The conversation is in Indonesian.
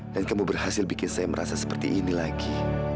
dan kamu berhasil bikin saya merasa seperti ini lagi